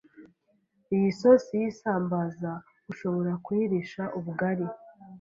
iyi sosi y’isambaza ushobora kuyirisha ubugali,